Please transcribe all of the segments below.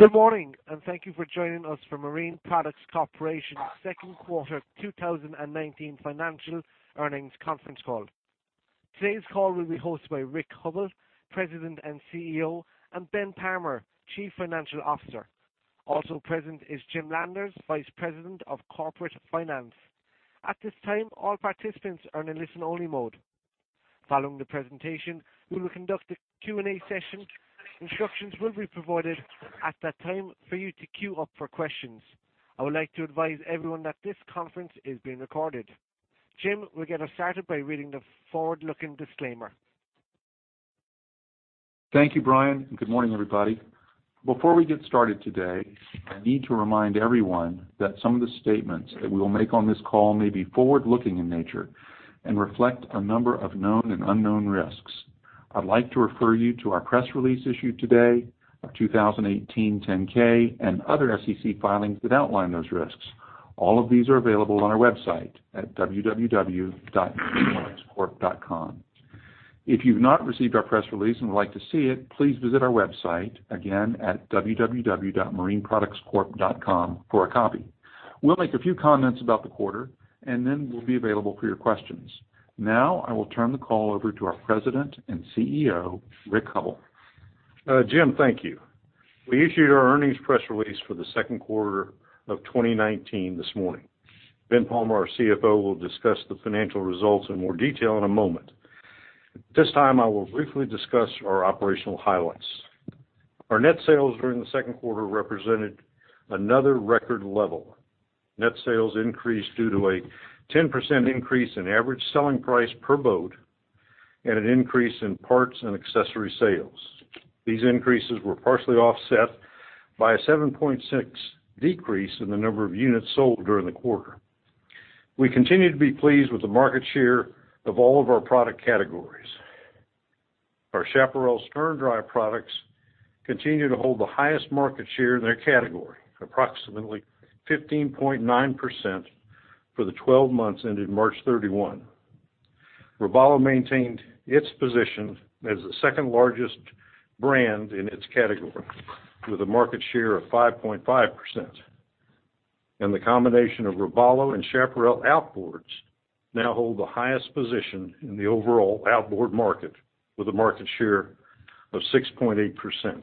Earnings conference call. Today's call will be hosted by Rick Hubbell, President and CEO, and Ben Palmer, Chief Financial Officer. Also present is Jim Landers, Vice President of Corporate Finance. At this time, all participants are in a listen-only mode. Following the presentation, we will conduct a Q&A session. Instructions will be provided at that time for you to queue up for questions. I would like to advise everyone that this conference is being recorded. Jim will get us started by reading the forward-looking disclaimer. Thank you, Brian, and good morning, everybody. Before we get started today, I need to remind everyone that some of the statements that we will make on this call may be forward-looking in nature and reflect a number of known and unknown risks. I'd like to refer you to our press release issued today, our 2018 10-K, and other SEC filings that outline those risks. All of these are available on our website at www.marineproductscorp.com. If you've not received our press release and would like to see it, please visit our website again at www.marineproductscorp.com for a copy. We'll make a few comments about the quarter, and then we'll be available for your questions. Now, I will turn the call over to our President and CEO, Rick Hubbell. Jim, thank you. We issued our earnings press release for the second quarter of 2019 this morning. Ben Palmer, our CFO, will discuss the financial results in more detail in a moment. At this time, I will briefly discuss our operational highlights. Our net sales during the second quarter represented another record level. Net sales increased due to a 10% increase in average selling price per boat and an increase in parts and accessory sales. These increases were partially offset by a 7.6% decrease in the number of units sold during the quarter. We continue to be pleased with the market share of all of our product categories. Our Chaparral Stern Drive products continue to hold the highest market share in their category, approximately 15.9% for the 12 months ended March 31. Robalo maintained its position as the second largest brand in its category, with a market share of 5.5%. The combination of Robalo and Chaparral outboards now hold the highest position in the overall outboard market, with a market share of 6.8%.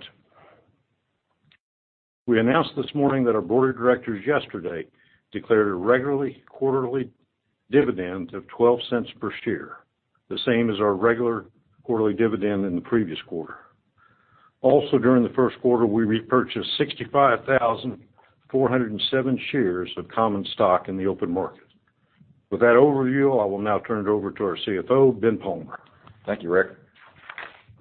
We announced this morning that our Board of Directors yesterday declared a regular quarterly dividend of 12 cents per share, the same as our regular quarterly dividend in the previous quarter. Also, during the first quarter, we repurchased 65,407 shares of common stock in the open market. With that overview, I will now turn it over to our CFO, Ben Palmer. Thank you, Rick.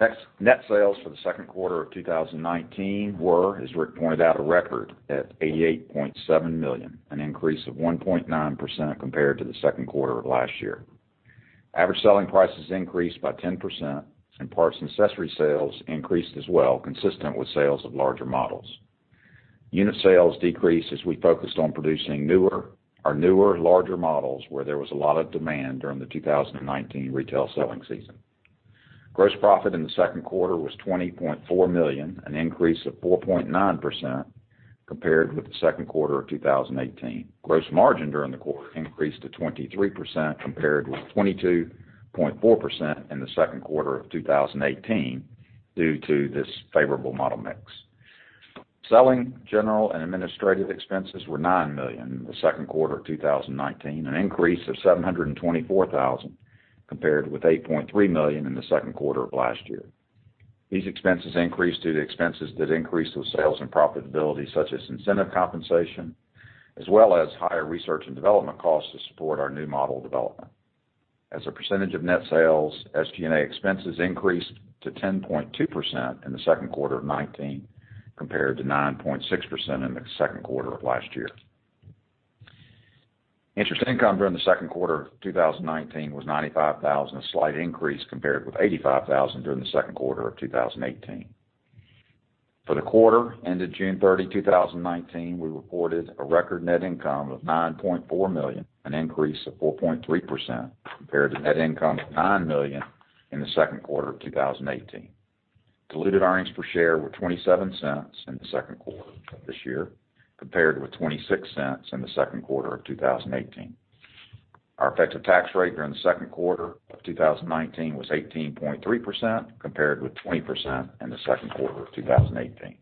Next, net sales for the second quarter of 2019 were, as Rick pointed out, a record at $88.7 million, an increase of 1.9% compared to the second quarter of last year. Average selling prices increased by 10%, and parts and accessory sales increased as well, consistent with sales of larger models. Unit sales decreased as we focused on producing our newer, larger models where there was a lot of demand during the 2019 retail selling season. Gross profit in the second quarter was $20.4 million, an increase of 4.9% compared with the second quarter of 2018. Gross margin during the quarter increased to 23% compared with 22.4% in the second quarter of 2018 due to this favorable model mix. Selling, general, and administrative expenses were $9 million in the second quarter of 2019, an increase of $724,000 compared with $8.3 million in the second quarter of last year. These expenses increased due to expenses that increased with sales and profitability, such as incentive compensation, as well as higher research and development costs to support our new model development. As a percentage of net sales, SG&A expenses increased to 10.2% in the second quarter of 2019 compared to 9.6% in the second quarter of last year. Interest income during the second quarter of 2019 was $95,000, a slight increase compared with $85,000 during the second quarter of 2018. For the quarter ended June 30, 2019, we reported a record net income of $9.4 million, an increase of 4.3% compared to net income of $9 million in the second quarter of 2018. Diluted earnings per share were 27 cents in the second quarter of this year compared with 26 cents in the second quarter of 2018. Our effective tax rate during the second quarter of 2019 was 18.3% compared with 20% in the second quarter of 2018.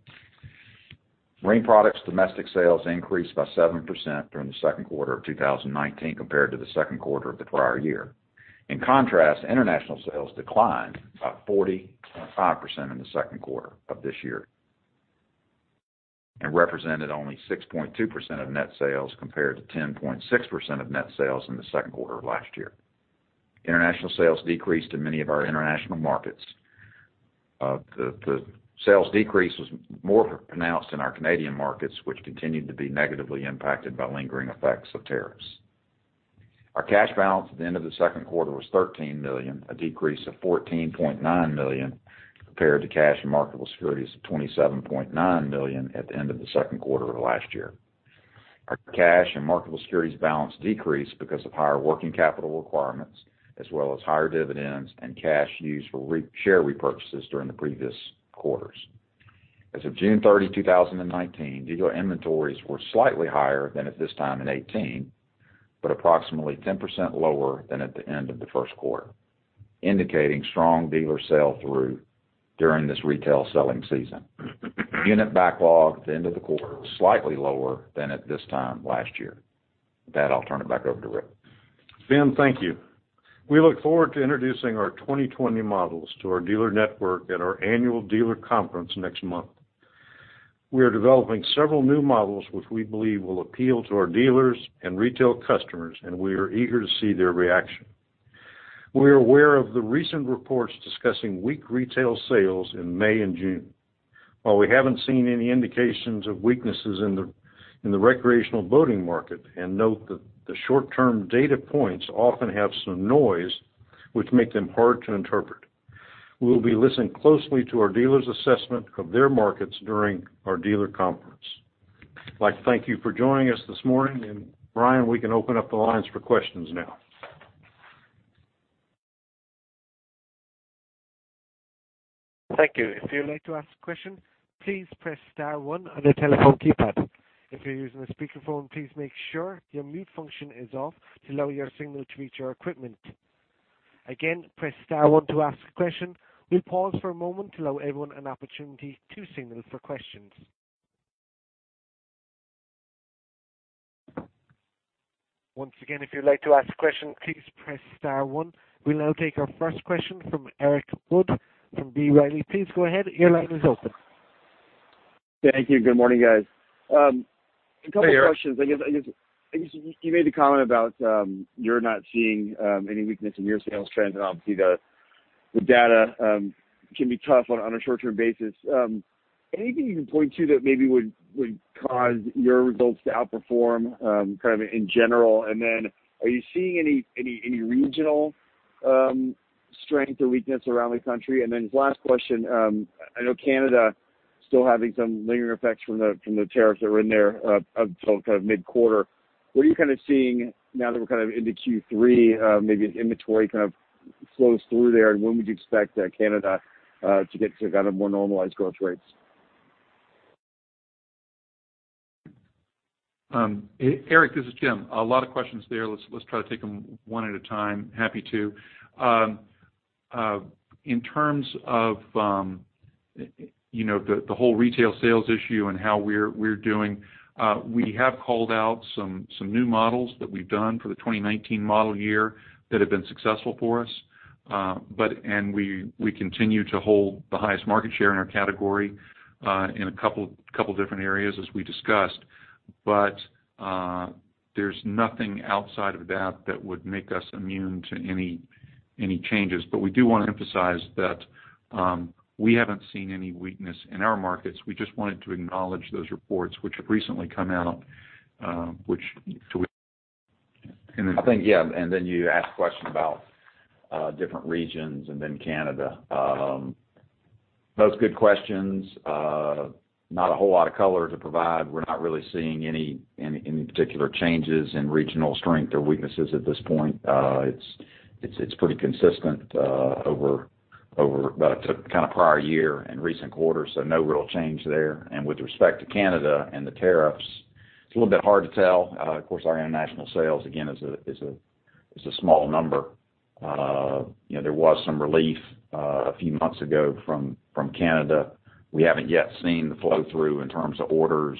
Marine Products' domestic sales increased by 7% during the second quarter of 2019 compared to the second quarter of the prior year. In contrast, international sales declined by 40.5% in the second quarter of this year and represented only 6.2% of net sales compared to 10.6% of net sales in the second quarter of last year. International sales decreased in many of our international markets. The sales decrease was more pronounced in our Canadian markets, which continued to be negatively impacted by lingering effects of tariffs. Our cash balance at the end of the second quarter was $13 million, a decrease of $14.9 million compared to cash and marketable securities of $27.9 million at the end of the second quarter of last year. Our cash and marketable securities balance decreased because of higher working capital requirements, as well as higher dividends and cash used for share repurchases during the previous quarters. As of June 30, 2019, dealer inventories were slightly higher than at this time in 2018, but approximately 10% lower than at the end of the first quarter, indicating strong dealer sales through during this retail selling season. Unit backlog at the end of the quarter was slightly lower than at this time last year. With that, I'll turn it back over to Rick. Jim, thank you. We look forward to introducing our 2020 models to our dealer network at our annual dealer conference next month. We are developing several new models which we believe will appeal to our dealers and retail customers, and we are eager to see their reaction. We are aware of the recent reports discussing weak retail sales in May and June. While we have not seen any indications of weaknesses in the recreational boating market, and note that the short-term data points often have some noise which makes them hard to interpret, we will be listening closely to our dealers' assessment of their markets during our dealer conference. I would like to thank you for joining us this morning. Brian, we can open up the lines for questions now. Thank you. If you'd like to ask a question, please press star one on the telephone keypad. If you're using a speakerphone, please make sure your mute function is off to allow your signal to reach your equipment. Again, press star one to ask a question. We'll pause for a moment to allow everyone an opportunity to signal for questions. Once again, if you'd like to ask a question, please press star one. We'll now take our first question from Eric Wood from B. Riley. Please go ahead. Your line is open. Thank you. Good morning, guys. A couple of questions. I guess you made a comment about you're not seeing any weakness in your sales trends, and obviously, the data can be tough on a short-term basis. Anything you can point to that maybe would cause your results to outperform kind of in general? Are you seeing any regional strength or weakness around the country? This last question, I know Canada is still having some lingering effects from the tariffs that were in there up until kind of mid-quarter. What are you kind of seeing now that we're kind of into Q3? Maybe inventory kind of flows through there, and when would you expect Canada to get to kind of more normalized growth rates? Eric, this is Jim. A lot of questions there. Let's try to take them one at a time. Happy to. In terms of the whole retail sales issue and how we're doing, we have called out some new models that we've done for the 2019 model year that have been successful for us. We continue to hold the highest market share in our category in a couple of different areas, as we discussed. There is nothing outside of that that would make us immune to any changes. We do want to emphasize that we haven't seen any weakness in our markets. We just wanted to acknowledge those reports which have recently come out, which. I think, yeah. You asked a question about different regions and then Canada. Those are good questions. Not a whole lot of color to provide. We're not really seeing any particular changes in regional strength or weaknesses at this point. It's pretty consistent over kind of prior year and recent quarters, so no real change there. With respect to Canada and the tariffs, it's a little bit hard to tell. Of course, our international sales, again, is a small number. There was some relief a few months ago from Canada. We haven't yet seen the flow-through in terms of orders.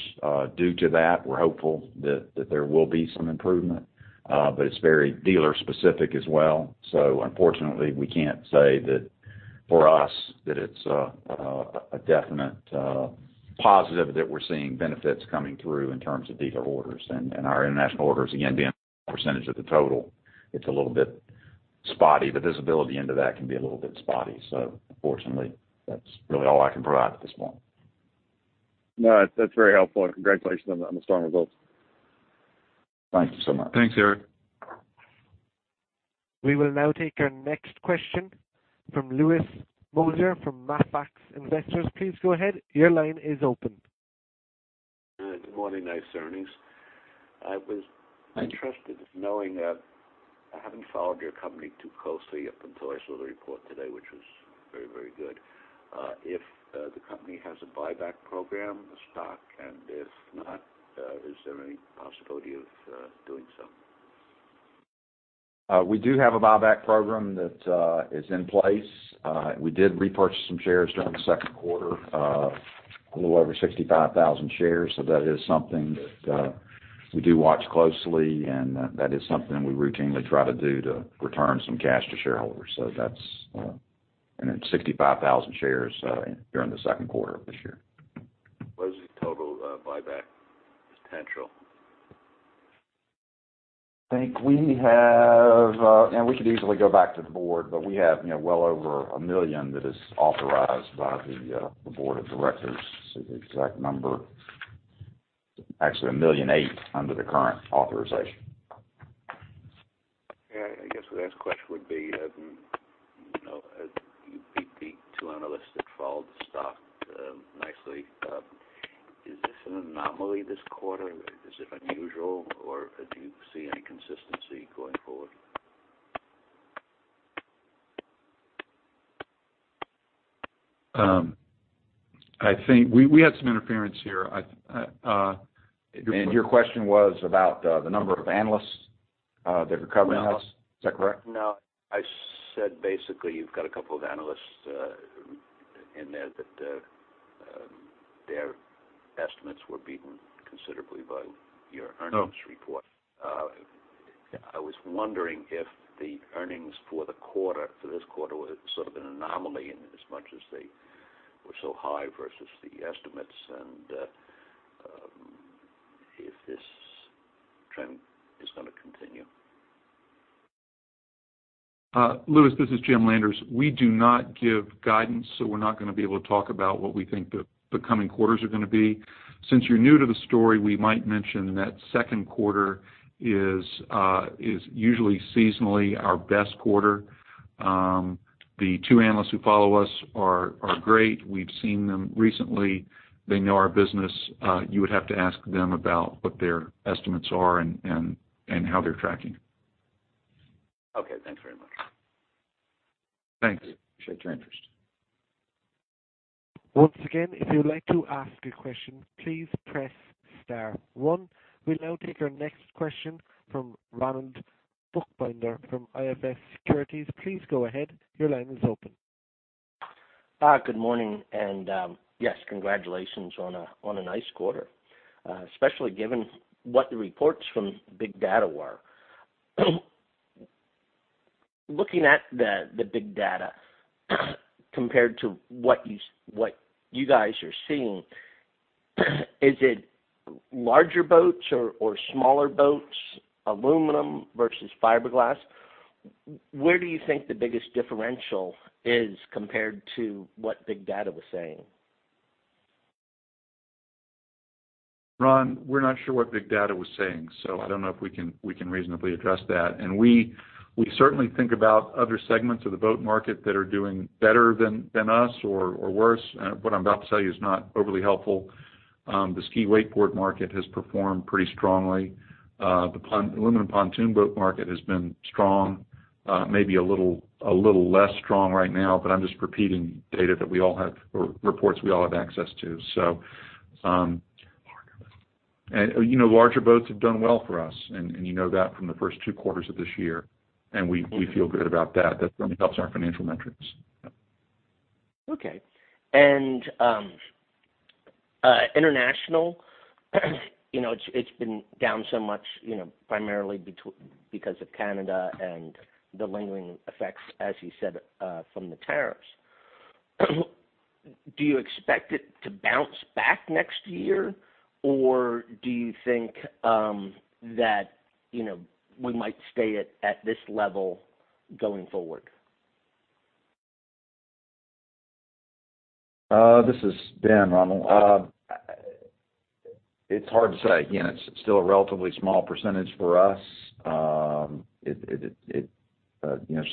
Due to that, we're hopeful that there will be some improvement, but it's very dealer-specific as well. Unfortunately, we can't say that for us that it's a definite positive that we're seeing benefits coming through in terms of dealer orders. Our international orders, again, being a percentage of the total, it's a little bit spotty. The visibility into that can be a little bit spotty. Unfortunately, that's really all I can provide at this point. No, that's very helpful. Congratulations on the strong results. Thank you so much. Thanks, Eric. We will now take our next question from Louis Moser from Mafax Investors. Please go ahead. Your line is open. Good morning, nice earnings. I was interested in knowing that I haven't followed your company too closely up until I saw the report today, which was very, very good. If the company has a buyback program, the stock, and if not, is there any possibility of doing so? We do have a buyback program that is in place. We did repurchase some shares during the second quarter, a little over 65,000 shares. That is something that we do watch closely, and that is something we routinely try to do to return some cash to shareholders. That is 65,000 shares during the second quarter of this year. What is the total buyback potential? I think we have—and we could easily go back to the board—but we have well over $1 million that is authorized by the Board of Directors. The exact number, actually, $1.8 million under the current authorization. I guess the next question would be, you beat the two analysts that followed the stock nicely. Is this an anomaly this quarter? Is it unusual? Or do you see any consistency going forward? We had some interference here. Your question was about the number of analysts that are covering this. Is that correct? No. I said basically you've got a couple of analysts in there that their estimates were beaten considerably by your earnings report. I was wondering if the earnings for this quarter were sort of an anomaly in as much as they were so high versus the estimates, and if this trend is going to continue. Louis, this is Jim Landers. We do not give guidance, so we're not going to be able to talk about what we think the coming quarters are going to be. Since you're new to the story, we might mention that second quarter is usually seasonally our best quarter. The two analysts who follow us are great. We've seen them recently. They know our business. You would have to ask them about what their estimates are and how they're tracking. Okay. Thanks very much. Thanks. Appreciate your interest. Once again, if you'd like to ask a question, please press star one. We'll now take our next question from Ronald Buchbinder from IFS Securities. Please go ahead. Your line is open. Good morning. Yes, congratulations on a nice quarter, especially given what the reports from Big Data were. Looking at the Big Data compared to what you guys are seeing, is it larger boats or smaller boats, aluminum versus fiberglass? Where do you think the biggest differential is compared to what Big Data was saying? Ron, we're not sure what Big Data was saying, so I don't know if we can reasonably address that. We certainly think about other segments of the boat market that are doing better than us or worse. What I'm about to tell you is not overly helpful. The ski wakeboard market has performed pretty strongly. The aluminum pontoon boat market has been strong, maybe a little less strong right now, but I'm just repeating data that we all have or reports we all have access to. Larger boats have done well for us, and you know that from the first two quarters of this year. We feel good about that. That certainly helps our financial metrics. Okay. International, it's been down so much primarily because of Canada and the lingering effects, as you said, from the tariffs. Do you expect it to bounce back next year, or do you think that we might stay at this level going forward? This is Dan, Ronald. It's hard to say. Again, it's still a relatively small percentage for us.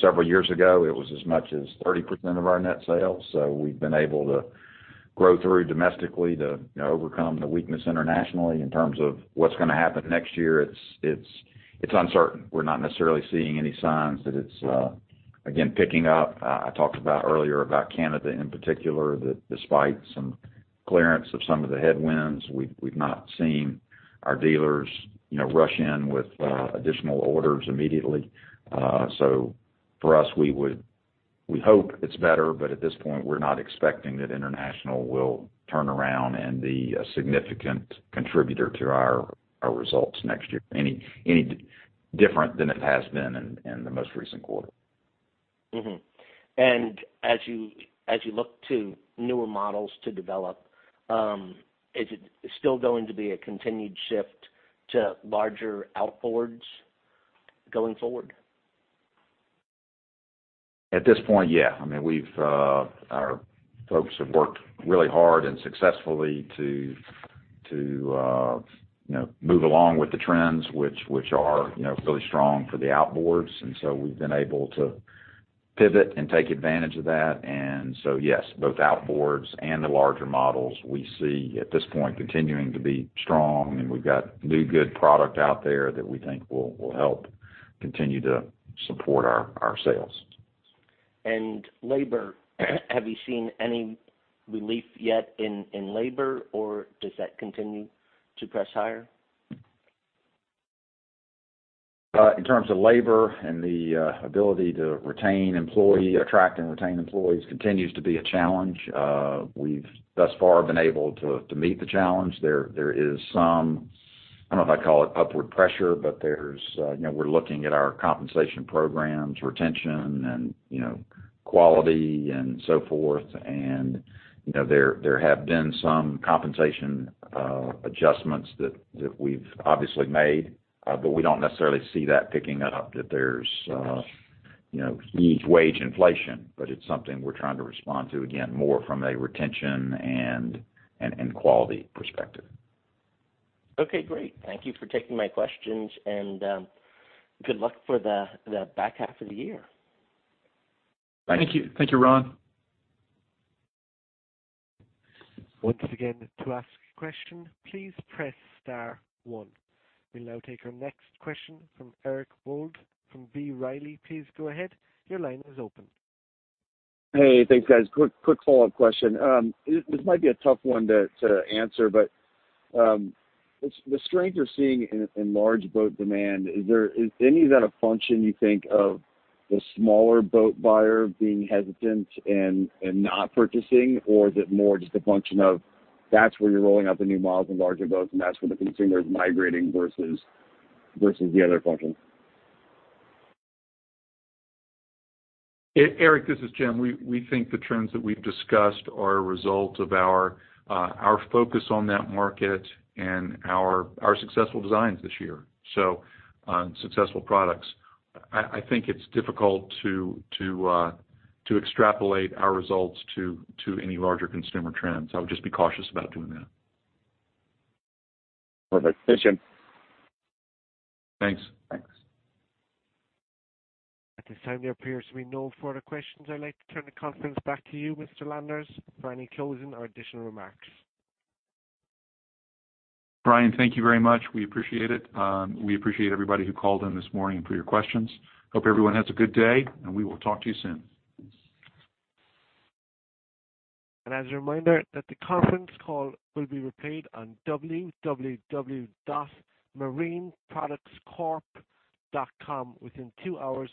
Several years ago, it was as much as 30% of our net sales. We've been able to grow through domestically to overcome the weakness internationally in terms of what's going to happen next year. It's uncertain. We're not necessarily seeing any signs that it's, again, picking up. I talked earlier about Canada in particular, that despite some clearance of some of the headwinds, we've not seen our dealers rush in with additional orders immediately. For us, we hope it's better, but at this point, we're not expecting that international will turn around and be a significant contributor to our results next year, any different than it has been in the most recent quarter. As you look to newer models to develop, is it still going to be a continued shift to larger outboards going forward? At this point, yeah. I mean, our folks have worked really hard and successfully to move along with the trends, which are really strong for the outboards. We have been able to pivot and take advantage of that. Yes, both outboards and the larger models we see at this point continuing to be strong. We have got new good product out there that we think will help continue to support our sales. Labor, have you seen any relief yet in labor, or does that continue to press higher? In terms of labor and the ability to retain employees, attract and retain employees, continues to be a challenge. We've thus far been able to meet the challenge. There is some—I don't know if I'd call it upward pressure, but we're looking at our compensation programs, retention, and quality, and so forth. There have been some compensation adjustments that we've obviously made, but we don't necessarily see that picking up, that there's huge wage inflation. It's something we're trying to respond to, again, more from a retention and quality perspective. Okay. Great. Thank you for taking my questions, and good luck for the back half of the year. Thank you. Thank you, Ron. Once again, to ask a question, please press star one. We'll now take our next question from Eric Wood from B. Riley. Please go ahead. Your line is open. Hey, thanks, guys. Quick follow-up question. This might be a tough one to answer, but the strength you're seeing in large boat demand, is any of that a function, you think, of the smaller boat buyer being hesitant and not purchasing? Or is it more just a function of that's where you're rolling out the new models and larger boats, and that's where the consumer is migrating versus the other questions? Eric, this is Jim. We think the trends that we've discussed are a result of our focus on that market and our successful designs this year, so successful products. I think it's difficult to extrapolate our results to any larger consumer trends. I would just be cautious about doing that. Perfect. Thanks, Jim. Thanks. At this time, there appears to be no further questions. I'd like to turn the conference back to you, Mr. Landers, for any closing or additional remarks. Brian, thank you very much. We appreciate it. We appreciate everybody who called in this morning for your questions. Hope everyone has a good day, and we will talk to you soon. As a reminder, the conference call will be replayed on www.marineproductscorp.com within two hours.